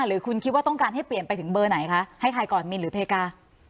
หรือคุณคิดว่าต้องการให้เปลี่ยนไปถึงเบอร์ไหนคะให้ใครก่อนมินหรือเพกา